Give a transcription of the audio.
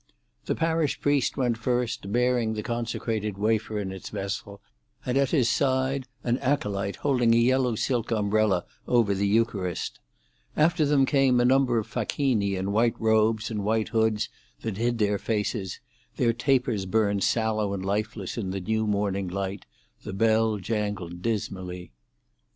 The parish priest went first, bearing the consecrated wafer in its vessel, and at his side an acolyte holding a yellow silk umbrella over the Eucharist; after them came a number of facchini in white robes and white hoods that hid their faces; their tapers burned sallow and lifeless in the new morning light; the bell jangled dismally.